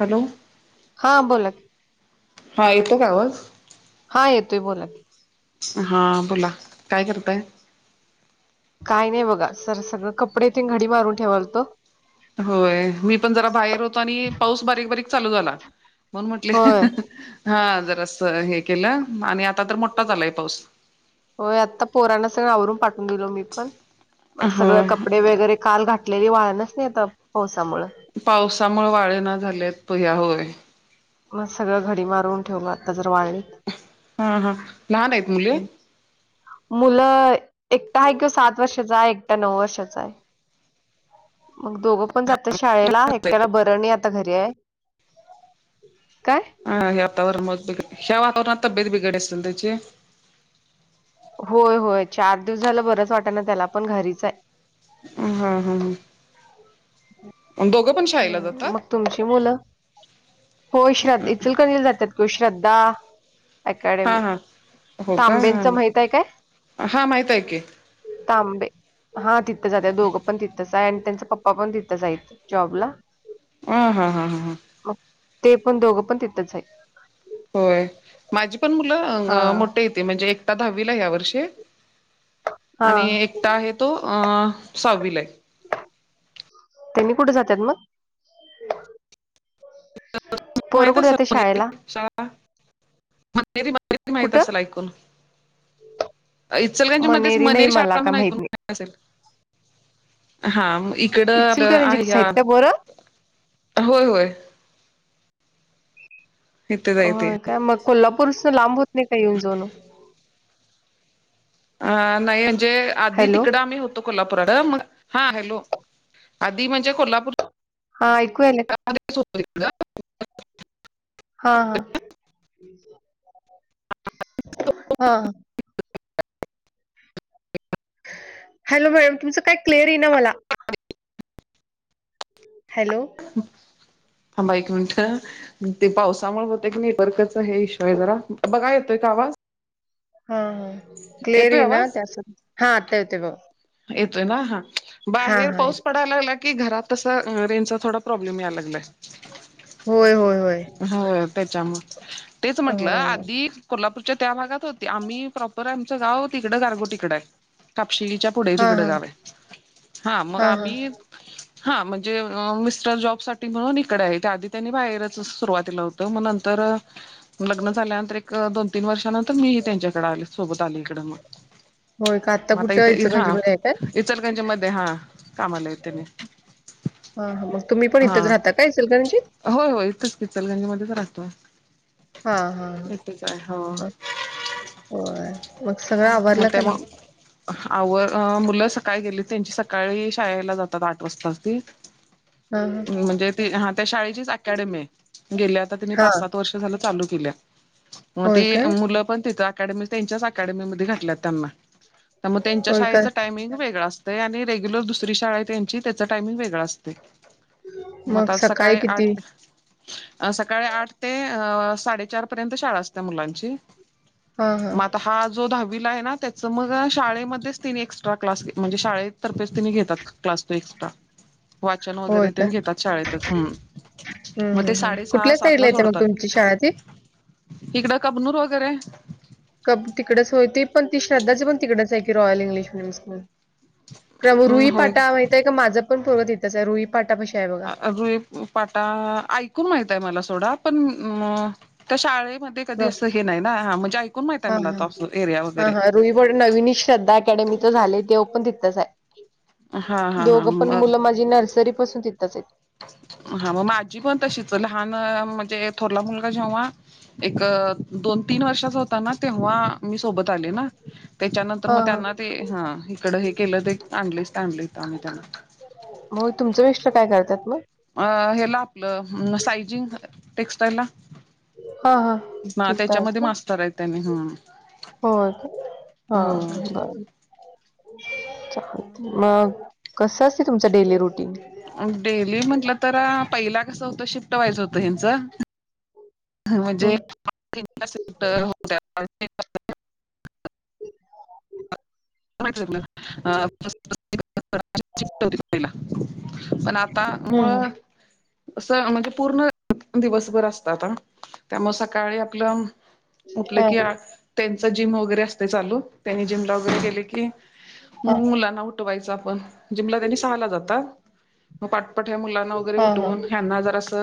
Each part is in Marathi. हॅलो! हा बोला हा येतं का आवाज? हा येतोय बोला हा बोला काय करताय? काय नाही बघा सर सगळं कपडे येथ घडी मारून ठेवाल तो होय मी पण जरा बाहेर होतो आणि पाऊस बारीक बारीक चालू झाला. म्हण म्हटले होय हा जर असं हे केलं आणि आता तर मोठा झालाय पाऊस हो आत्ता पोरांना सगळं आवरून पाठवून दिल मी पणग हा. सगळं कपडे वगैरे काल घ कलेली वाळणच नाही येत पावसामुळे पावसामुळे वाळे ना झालेत पहिया होय. मग सगळं घडी मारून ठेवलं आता जर वाळणी हा हा लहान आहेत मुले, मुलं एकटा आहे किंवा सात वर्षाचा आहे एकटा नऊ वर्षाचा आहे. मग दोघं पण जातात शाळेला एकट्याला बरणी आता घरी आहे. काय? हह यवताववर मो ब यव [unintelligible] तववरणता बद बी गडस्तनची होय होय चार दिवस झालं बरंच वाटे ना त्याला पण घरीच आहे. अ हा हा ह शाळेला हम् जातात? मग तुमची मुलं, हो श्रद्ा इ चलक जातात कि श्रद्धा हा हा. अकॅडमी हो का हा तांबेंचं माहित आहे काय? हा माहित आहे की. अ तांबे. हा तिथं जात्यात, दोघं पण तिथंच आहे. अन त्यांच पप्पा पण तिथंच आहेत जॉबला. अं हा हा हा हा. मग ते पण दोघं पण तिथंच आहे. होय. माझी पण मुलं हा अं मोठे टे. म्हणजे एक आता दहावीला या वर्षी हा आणि एक आहे तो अ सहवी ला आहे. तुम्ही कुठे जातात म? [unintelligible] म्हातारी बारी पण माहीत कुठं असल ऐकून. इचलकरंजी मध्येच मनेरी नाही मणिर मला शहादा का म्हनुन माहित ऐकून नाही असेल. हा म इकड आलं आहे इचलकरंजीतच आहेत या, का पोरं होय होय. इथेच आहे ते होय काय? मग कोल्हापूर जास्त लांब होत नाही का येऊन जाऊन म? अ नाही म्हणजे आधी हॅलो तिकडं आम्ही होतो, तो कोल्हापुरात मग, हा हॅलो, आधी म्हणजे कोल्हापूर हा ऐकू यायलं. [unintelligible] हा हा. हां. हॅलो मॅम, तुमचं काय क्लिअर येईना मला. हॅलो, थांबा एक मिनट. ते पावसामुळे होत की नेटवर्कचा हे इश्यू आहे जरा. बघा येतोय का आवाज? हां हां. क्लेअर येतोय येईना आवाज? त्यासाठी, हा आता येतोय बघा. येतोय ना? हा. बाहेर हा पाऊस पडत पडाय लागला की, घारात तस रेंज चा थोडा प्रॉब्लेम याय लागला. होय होय होय. होय तेच्यामुळ. तेच अ म्हंटलं आधी कोल्हापूरच्या त्या भागात होती. आम्ही प्रॉपर आमचं गाव तिकड गारगोटीकड आहे. कापशिलीच्या पुढे हा तिकड हा गावे. हा मग आम्ही हा म्हणजे अं मिस्टर जॉब साठी म्हणून इकड आहे. आधी त्यांनी बाहेरच च सुरुवातीलं होत. मग नंतर लग्न झाल्यानंतर एक दोन तीन वर्षानंतर मी ही त्यांच्याकडे आले. सोबत आले इकडं मग. होय का? आत्ता मग आता कुठ इथं इचलकरंजी हा मधे आहे काय? इचलकरंजी मध्ये. हा, कामाला आहे त्यांनी हां हां, मग तुम्ही पण हा इथच राहता काय इचलकरंजीत? होय होय इथंच इचलकरंजी मध्येच राहतोय. हा हा इथेच आहे हो होय. मग सगळं आवरलं की नाही? आव अं मुलं सकाळी गेली. त्यांची सकाळी शाळेला जातात आठ वाजताच ते. हा हा म्हणजे ती हा त्या शाळेचीच अकॅडमी आहे. गेली आता तिनी हा पाच सात वर्ष झाल चालू केलीया. म होय ते काय मुल पण तिथं अकॅडमी त्यांच्याच अकॅडमी अकॅडमीमध्ये घातल्या त्यांना. त्यामुळे त्यांच्या होय काय शाळेचं टायमिंग वेगळ असत तय आणि रेग्युलर दुसरी शाळा आहे त्यांची त्याच टायमिंग वेगळां असतोय. म मग आता सकाळी किती आठ अ सकाळी आठ ते अ साडेचार पर्यंत शाळा असत्या मुलांची. ह ह. म आता हा जो दहावीला आहे ना त्याच मग शाळेमध्येच तिन एक्स्ट्रा क्लास म्हणजे शाळेतर्फेच तिने घेतात. क्लास ते एक्स्ट्रा. वाचन होय वगैरे काय तेन घेतात शाळेतच. हं. हम्म म ते हम्म साडे हम्म सहा, कुठल्या सात साईडला ला येते मग सोडतात. तुमची शाळा ती इकडं कबनूर वगैरे. कप तिकडेच होती पण ती श्रद्धाची पण तिकडच आहे की रॉयल इंग्लिश मिडयम स्कूल मग अं, होय रुईपाटा माहितय आहे का? माझं पण पोरग तिथच आहे रुईपाटा पाशीआहे बघा. रुई पाटा ऐकून माहितय मला सोडा पण त्या शाळेमध्ये कधी प्र- असं हे नाहीना ह म्हणजे ऐकून माहितय हा मला हा तो असं एरिया हा वगैरे. हा रुई बड नवीन श्रद्धा अकॅडमीच झाले ते ओपन तिथंच आहे. हा हा हा दोघं पण मग मुलं माझी नर्सरी पासून तिथेच आहेत. हा मग माझी पण तशीच आहेत. लहान म्हणजे थोरला मुलगा जेव्हा एक दोन, तीन वर्षाचा होताना तेव्हा मी सोबत आले ना. त्याच्यानंतर हा मग हा त्यांना ते ह इकड हे केलं ते आणलेच, आणले आम्ही त्यांना. मग तुमचं मिस्टर काय करतात मग? अ हेला आपलं साईजिंग टेक्स्टाईलला. हा हां. ना त्याच्यामध्ये मास्तर आहे त्यांनी ह. हो हा बर. मग कस असते तुमचं डेली रुटीन? डेली म्हंटलं तर पहिला कस होतं शिफ्ट व्हायचं होतं ह्यांचं. [unintelligible] म्हणजे हम्म होत. ह [unintelligible] पण [unintelligible] त्यामुळं हम्म असं म्हणजे पूर्ण दिवस भर असतान त्यामुळे सकाळी आपलं उठल हा कि आठ त्यांच जिम वगैरे असते चालू त्यांनी जिमला वगैरे केले की हा मग मुलांना उठवायच आपण जिमला त्यांनी सहाला जाता मग पाठपाठ्या मुलांना हा हा उठवून ह्यांना जरा अस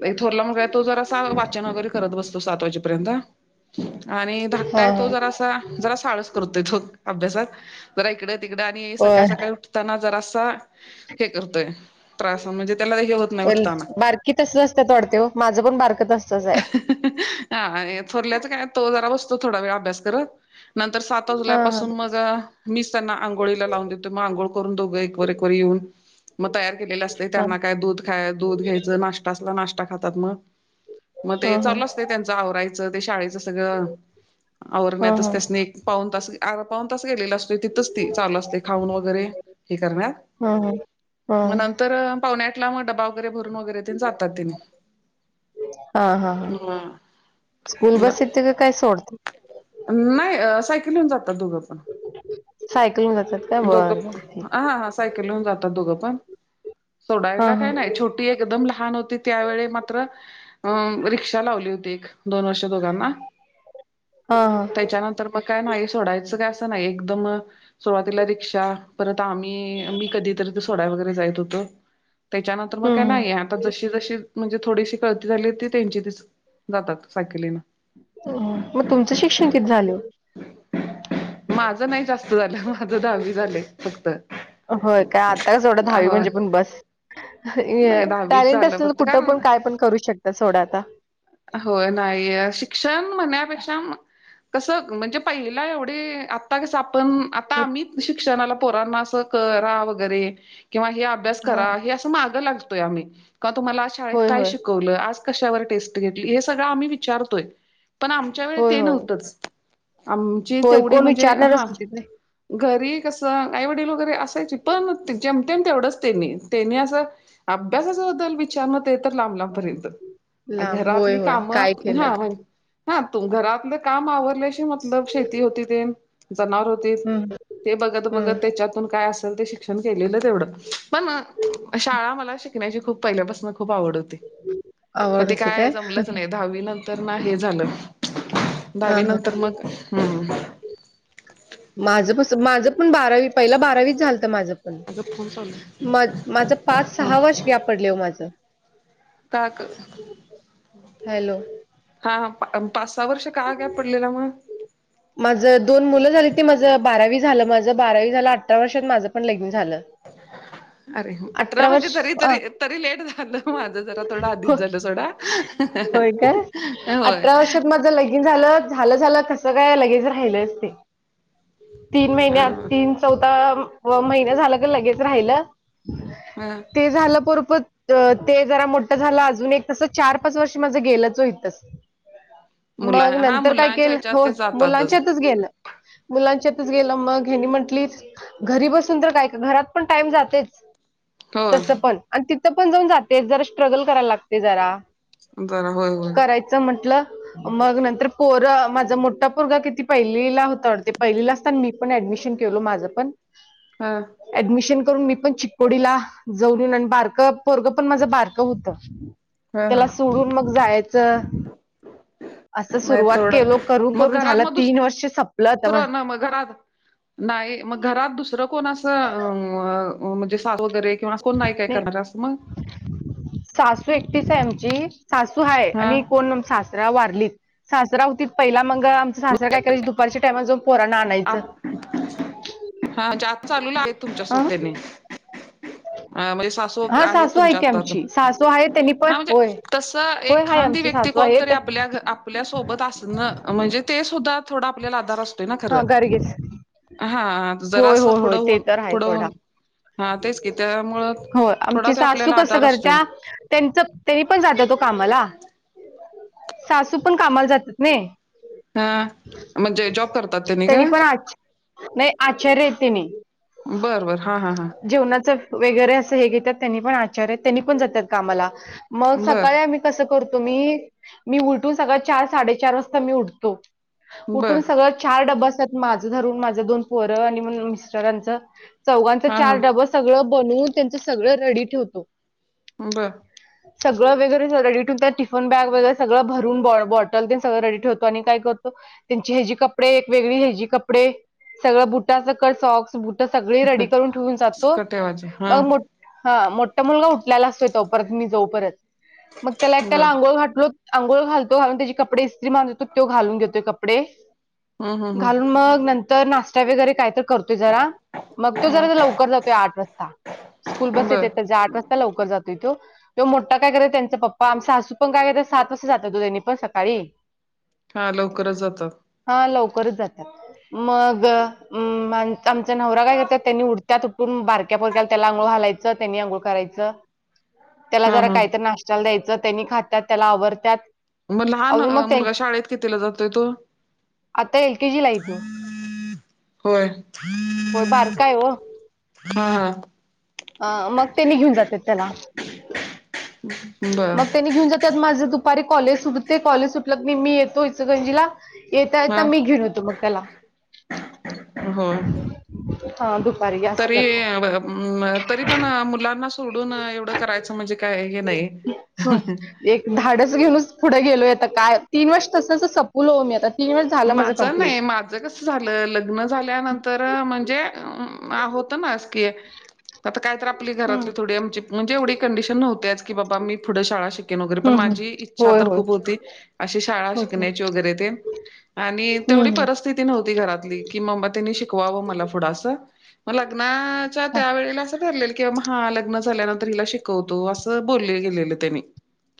नाही थोरला मुलगा हे तो जरासां वचन वगैरे करत बसतो सात वाजेपर्यंत. आणि धाकटा हा आहे तो हा जरासा, जरासा आळस करतोय तो अभ्यासात जरा इकडे तिकडा आणि सकाळ, होय सकाळी उठताना जरासा हे करतोय त्रास म्हणजे त्याला हे होत नाही उठताना. बारकी तसंच असत्यात वाटते ओ माझं पण बारक तसंच आहे. हा थोरल्याच काय तो जरा बसतो थोडा वेळ अभ्यास करत नंतर सात वाजला हा हा पासून मग मीच त्यांना आंघोळीला लावून देतो मग आंघोळ करून दोघं एक वर, एक वर येऊन. मग तयार केलेले असते हा त्यांना काय दूध. हा दूध घ्यायच नाष्टा असला नाष्टा खातात मग मग हा ते चालू हा अस त्यांच आवरायचं ते शाळेचं सगळं हा आवरण्यातच हा त्यानी एक पाऊन तास अर्धा पावन तास गेलेला असतो. तिथ ती चालु असते खाऊन वगैरे हे करण्यात हा हा हा म नंतर तर पावणे आठला मग डबा वगैरे भरून वगैरे ते जातात तेने. हा, हा, हा स्कूल बस येत का काय सोडते? नाही सायकली वरुण जातात दोघं. सायकलून जातात काय दोघ बरं प बर ठीक हा, हा. सायकली वरुण जातात दोघं पण हा सोडायला हा काय नाहीत. छोटी एकदम लहान होती त्यावेळी मात्र अ रिक्षा लावली होती एक, दोन वर्ष दोघांना. हा, हा. त्याच्यानंतर म काय नाही सोडायचं काय असं नाही एकदम सुरुवातीला रिक्षा परत आम्ही मी कधीतरी सोडा वगैरे जायत होतो. त्याच्यानंतर मग काय हम्म नाही. आता जशी, जशी म्हणजे थोडीशी कळती झाली ते त्यांची तेच जातात साकलीन. मग तुमचं शिक्षण किती झालंय? माझ नाही जास्त झालं माझं दहावी झाले फक्त. होय काय आता का एवढं दहावी होय म्हणजे पण बस. नाही दहावीच टॅलेंट झालं असल्या ना फक्त कुठं पण कारण काय पण करू शकत सोडा आता होय नाही शिक्षण म्हणण्यापेक्षा कसं. म्हणजे पहिला एवढे आता कस आपण आता आम्ही शिक्षणाला. पोराना करा वैगेरे किंवा अभ्यास हा करा? आम्ही लागतोय आम्ही तुम्हाला शाळेत होय काय होय शिकवलं आज? कशावर टेस्ट घेतली हे सगळं आम्ही विचारतोय पण आमच्या वेळी होय ते होय नव्हतंच. आमची होय तेवढी कोण म्हणजे विचारणारच हा. होतीत नाही घरी कस आईवडील वगैरे असायची पण जेम तेम तेवढंच त्यांनी त्यांनी असं. अभ्यासाच्याबद्दल विचार न म तर लांब लांबपर्यंत लांब होय घरातली होय काय कामं केलं हा. हा तू घरातलं काम आवर लाशी मतलब शेती होती तेन. जनावर होती हम्म ते बघत बघत हम्म त्याच्यातून काय असेल ते शिक्षण केलेलं. तेवढच पण शाळा मला शिकण्याची खूप पहिल्यापासूनच खूप आवड होती. पण आवड ते होती काय जमलच नाही. दहावी नंतर ना हे झालं दहावी नंतर मग हम्म माझ तस माझ पण बारावी पहिला बारावीच झालत माझं. अगं फोन चालू म माझ पाच सहा हा वर्ष ग्याप पडले हो माझं. ताक. हॅलो. हा पाच सहा वर्ष का काय ग्याप पडलेला मूळ माझं दोन मुलं झाली ती माझं बारावी झालं माझं बारावी झालं अठरा वर्षात माझं पण लगन झालं. [inaudible] अरे अठरा म्हणजे वर्ष जरी अ तरी तरी लेट झालं माझं जरा थोडं आधीच झालं सोडा. होय काय? ह. अठरा वर्षात माझं लगीन न झालं झालं झालं कसं काय लगेच राहिलंच ते तीन महिन्यात अ तीन चौथा व महिना झालं की लगेच राहिलं? हा. ते झालं पुरपुत ते जरा मोठं झालं अजून एक तसं चार पाच वर्ष माझं गेलंच होतस? मुला मग हा नंतर काय मुलांच्या केल ह्याच्यात हो ते जातातच मुलांच्यातच गेलं. मुलांच्यातच गेला मग हेनी म्हंटलीत. घरी बसून तर काय का घरात पण टाइम जातेच? होय तसं पण आणि तिथं पण जाऊन जाते जरा स्ट्रगल करायला लागते जरा. बर होय होय. म्हटलं. मग नंतर पोर माझा मोठा पोरगा किती पहिलीला होता ते पहिलीला असता मी पण ऍडमिशन केललं माझं पण. हा. ऍडमिशन करून मी पण चिकोडीला जाऊन येऊन आणि बारक पोरग पण माझं बारक होत. ह ह त्याला सोडून मग जायचं? असं नाही सुरुवात थोडं केलो करून मग करून घरात झालं मग दुस तीन वर्ष संपलं तर दुसरं ना मग घरात. नाही मग घरात दुसरं कोण असं अ म्हणजे सासू वगैरे किंवा कोण नाही काय करणार असं मग सासू एकटीस आहे आमची सासू हाय हा आणि कोण सासरा वारलीत. सासरा होती पहिला मग आमचा साजरा काय करायचीत दुपारच्या टाईमाला जाऊन पोराना आण. हा जास्त चालून आल तुमच्या अ सोबत त्यांनी. अ म्हणजे सासू हा आहेत सासू आहे तुमच्या की हातात आमची सासू आहे त्यांनी हा पण म्हणजे होय तस होय एक हाय खांदी आमची व्यक्ती सासू आहे कोणतरी ते आपल्या आपल्या सोबत असणं म्हणजे ते सुद्धा थोडं आपल्याला आधार असतोय ना हा खरं? गरगेच अ हा होय जरासं होय पुढ होय ते होऊन तर आहे पुढं थोडा होऊन हा तेच कि त्यामुळं होय थोडा आमची त्यो सासू आपल्याला कसं आधार असतोय. करत्या त्यांच त्यांनी पण जातात ओ कामाला सासू पण कामाला जातात नाई. हा म्हणजे जॉब करतात तेनी काय? आचारी आहेत तेनी हा हा हा जेवणाचं वगैरे असं हे घेतात त्यांनी पण आचार आहेत त्यांनी पण जातात कामाला, मग बर सकाळी आम्ही कसं करतो मी, मी उलटून सकाळ चार साडेचार वाजता मी उडतो. बर उठून सगळं चार डब्ब असतात माझं धरून माझ दोन पोरं आणि मिस्टरांच चौघांचं हा हा चार डबस सगळं बनवून त्यांच सगळं रेडी ठेवतो. ब. सगळं वगैरे रेडी ठेऊन त्यात टिफन बॅग वगैरे सगळं भरून ब बॉटल तेन सगळं रेडी ठेवतो आणि काय करतो त्यांची हेजी कपडे एक वेगळी हेजी कपडे सगळं बुटासकट, सॉक्स बुट सगळी रेडी करून ठेवून जातो. कटेवाच हा मग मो हा मोठा मुलगा उठल्याला असतोय तो परत मी जाऊ परत मग त्याला एकट्याला बर आंघोळ घातलो. अंघोळ घालतो घालून त्याची कपडे इस्त्री मारून देतो त्यो घालून घेतोय कपडे. हम् हम् हम् घालून मग नंतर नाष्टा वगैरे काय तर करतोय जरा. मग तो जरा जर लवकर जातोय आठ वाजता स्कूल बस बर येते ते जी आठ वाजता लवकर जात तोय तो मोठा काय कर त्यांच पप्पा आम सासु पण काय करत्यात सात वाजता जात्यात ओ तो त्यांनी पण सकाळी. हा लवकरच जातात. हा लवकरच जातात, मग हम्म मां आमचा नव्हरा काय करतात त्यांनी उटत्यात बारक्या पोरग्याला त्याला आंघोळ हालायचं त्यांनी आंघोळ करायचं, त्याला हा जरा हा काहीत नाश चल द्यायचं त्यानी खातात, त्याला आवरतात. मग लहान अरूण अ, मग त्यां मुलगा शाळेत कितीला जातोय तो? आता एल के जीलाय तो. होय. होय बारकाय ओ. हा हा. अ मग त्यांनी घेऊन जात्यात त्याला बर मग त्यांनी घेऊन जाता त माझं दुपारी कॉलेज सुटते, कॉलेज सुटल कनी मी येतो इचगंजीला येता हा येता मी घेऊन येतो मग त्याला. हो हा दुपारी असं करतो. अंम तरी पण मुलांना सोडून एवढं करायचं म्हणजे काय हे नाही हं हं. धाडच घेऊनच पुढं गेलोय आता काय तीन वर्ष तसच सपूवलो मी आता तीन वेळ झालं माझं कंप्लीट. माझ कस झालं लग्न झाल्यानंतर म्हणजे आ होत नासकी. आता काय तर आप आपली हम्म. घरातली थोडी आमची म्हणजे एवढी कंडिशन न्हवत्याच की बाबा मी पुढं शाळा शिकेन वगैरे पण हम्म हम्म माजी ई होय होय. अशी शाळा होते शिकण्याची वगैरे तेन आणि हम्म तेवढी हम्म परी स्तिथी नव्हती घरातली कि मांबा तेनी शिकवावं मला पुढं असं म लग्ना आच्या त्या वेळेला असं ठरलेलं किं महालग्न झाल्यानं तर हिला शिकवतो असं बोलं गेलेलं तेनी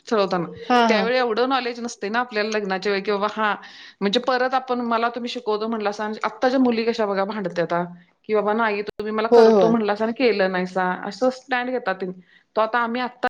ठरवतान हा हा त्यावेळी अव नॉलेज नसते ना आपल्या लग्नाच्या वेळी कि बा हा. म्हणजे परत आपण मला तुम्ही शिकवतो म्हटलासा अन आताच्या मुली कशा बघा भांडत्याता कि बाबा नाही. तुम्ही मला होय करतो होय म्हंटलासा आणि केलं नाहीसा अस स्टँड घेतात तेन तो आता आम्ही आता